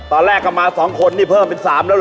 ตอนแรกก็มา๒คนนี่เพิ่มเป็น๓แล้วเห